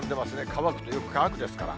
乾くとよく乾くですから。